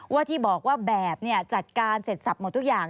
ที่บอกว่าแบบจัดการเสร็จสับหมดทุกอย่าง